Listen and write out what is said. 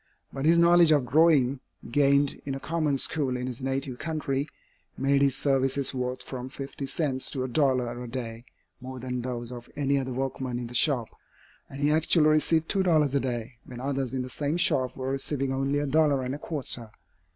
But his knowledge of drawing, gained in a common school in his native country, made his services worth from fifty cents to a dollar a day more than those of any other workman in the shop, and he actually received two dollars a day, when others in the same shop were receiving only a dollar and a quarter.